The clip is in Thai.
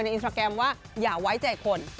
อินสตราแกรมว่าอย่าไว้ใจคน